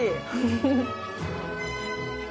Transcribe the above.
フフフ。